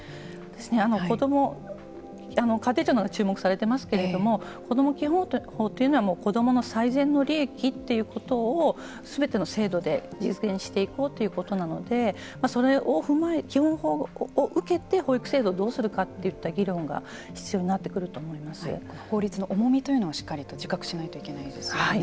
こども家庭庁も注目されていますけれどもこども基本法というのは子どもの最善の利益ということをすべての制度で実現していこうということなのでそれを踏まえて基本法を受けて保育制度をどうするかといった議論が法律の重みをしっかりと自覚しないといけないですよね。